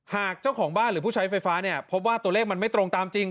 เจ้าของบ้านหรือผู้ใช้ไฟฟ้าเนี่ยพบว่าตัวเลขมันไม่ตรงตามจริง